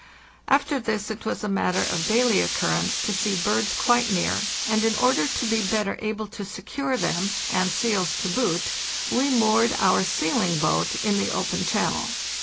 After this it was a matter of daily occurrence to see birds quite near, and in order to be better able to secure them, and seals to boot, we moored our sealing boat in the open channel.